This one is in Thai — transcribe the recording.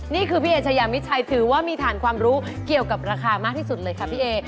นี่คือพี่เอชายามิชัยถือว่ามีฐานความรู้เกี่ยวกับราคามากที่สุดเลยค่ะพี่เอ